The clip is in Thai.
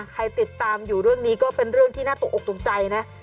ใครติดตามอยู่เรื่องนี้ก็เป็นเรื่องที่น่าตกออกตกใจนะ